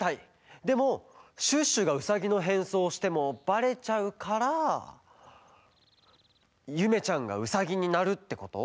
でもシュッシュがウサギのへんそうをしてもバレちゃうからゆめちゃんがウサギになるってこと？